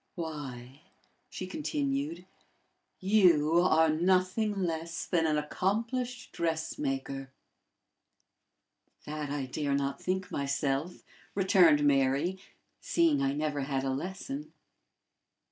"Why," she continued, "you are nothing less than an accomplished dressmaker!" "That I dare not think myself," returned Mary, "seeing I never had a lesson."